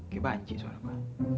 kayak banci suara gua